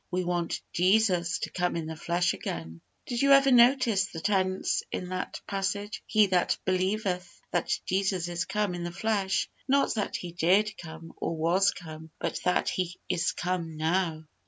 We want JESUS TO COME IN THE FLESH AGAIN. Did you ever notice the tense in that passage "He that believeth that Jesus is come in the flesh" not that He did come, or was come, but that He is come now.